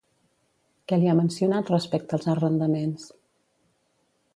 Què li ha mencionat respecte als arrendaments?